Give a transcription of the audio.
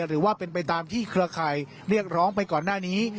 หรือว่าเป็นไปตามที่เครือข่ายเรียกร้องไปก่อนหน้านี้